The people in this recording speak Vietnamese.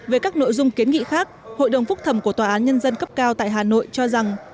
về các nội dung kiến nghị khác hội đồng phúc thẩm của tòa án nhân dân cấp cao tại hà nội cho rằng